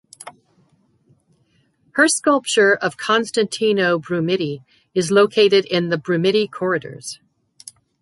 Her sculpture of Constantino Brumidi is located in the Brumidi Corridors.